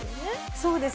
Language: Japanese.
そうです。